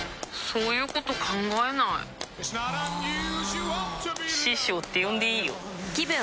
そういうこと考えないあ師匠って呼んでいいよぷ